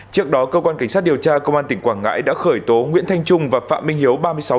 trước đó cơ quan cảnh sát điều tra công an tỉnh quảng ngãi đã khởi tố nguyễn thanh trung và phạm minh hiếu